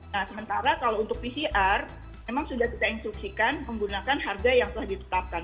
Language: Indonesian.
nah sementara kalau untuk pcr memang sudah kita instruksikan menggunakan harga yang telah ditetapkan